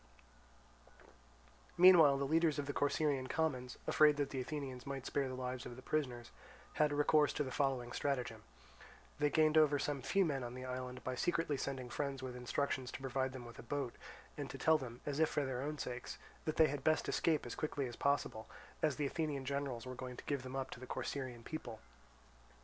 Meanwhile the leaders of the Corcyraean commons, afraid that the Athenians might spare the lives of the prisoners, had recourse to the following stratagem. They gained over some few men on the island by secretly sending friends with instructions to provide them with a boat, and to tell them, as if for their own sakes, that they had best escape as quickly as possible, as the Athenian generals were going to give them up to the Corcyraean people.